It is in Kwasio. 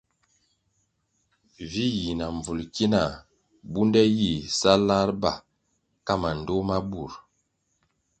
Vi yi na mbvulʼ ki na bunde yih sa lar ba ka mandtoh ma burʼ.